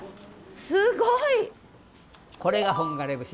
すごい！これが本枯節です。